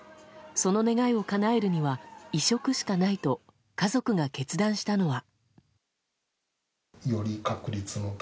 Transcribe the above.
その願いをかなえるには移植しかないと家族が決断したのは。